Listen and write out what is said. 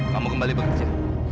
kamu kembali bekerja